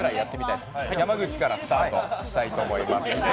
山口からスタートしたいと思います。